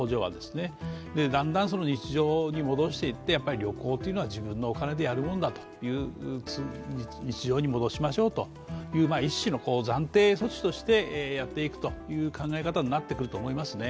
だんだん日常に戻していってやっぱり旅行は自分のお金でやるものだという日常に戻しましょうという一種の暫定措置としてやっていくという考え方になっくると思いますね。